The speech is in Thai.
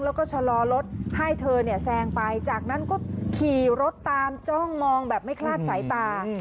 แล้วก็ชะลอรถให้เธอเนี่ยแซงไปจากนั้นก็ขี่รถตามจ้องมองแบบไม่คลาดสายตา